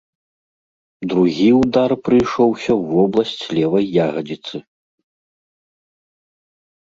Другі ўдар прыйшоўся ў вобласць левай ягадзіцы.